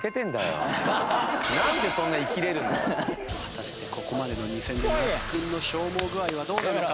果たしてここまでの２戦で那須君の消耗具合はどうなのか？